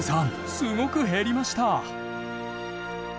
すごく減りました。